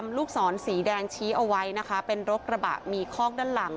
ลูกศรสีแดงชี้เอาไว้นะคะเป็นรถกระบะมีคอกด้านหลัง